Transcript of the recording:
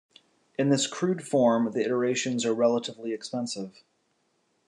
In this crude form the iterations are relatively expensive.